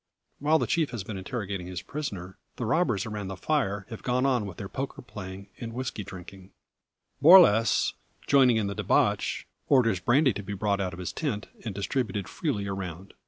While their chief has been interrogating his prisoner, the robbers around the fire have gone on with their poker playing, and whisky drinking. Borlasse joining in the debauch, orders brandy to be brought out of his tent, and distributed freely around.